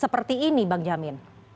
seperti ini bang jamin